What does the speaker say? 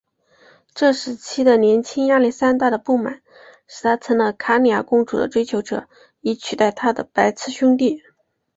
这时期的年轻亚历山大的不满使他成了卡里亚公主的追求者以取代他的白痴兄弟。